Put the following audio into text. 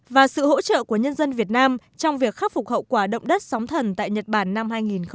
và sự hỗ trợ của nhân dân việt nam trong việc khắc phục hậu quả động đất sóng thần tại nhật bản năm hai nghìn một mươi tám